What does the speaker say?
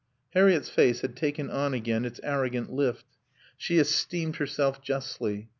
Harriett's face had taken on again its arrogant lift. She esteemed herself justly.